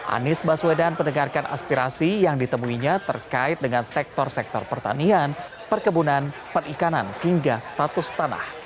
anies baswedan mendengarkan aspirasi yang ditemuinya terkait dengan sektor sektor pertanian perkebunan perikanan hingga status tanah